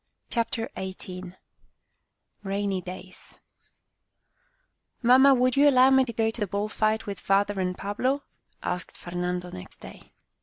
CHAPTER VIII RAINY DAYS " Mamma, would you allow me to go to the bull fight with father and Pablo? " asked Fer nando next day.